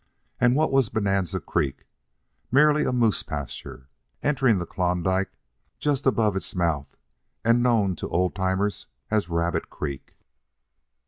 And what was Bonanza Creek? Merely a moose pasture, entering the Klondike just above its mouth, and known to old timers as Rabbit Creek.